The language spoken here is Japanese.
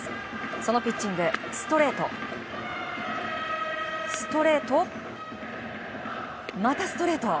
そのピッチング、ストレートストレート、またストレート。